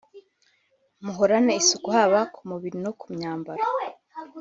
muhorane isuku haba ku mubiri no ku myambaro